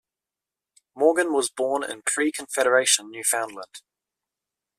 Morgan was born in pre-Confederation Newfoundland.